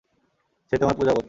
সে তোমার পূজা করত।